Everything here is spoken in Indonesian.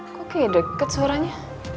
kok kayak deket suaranya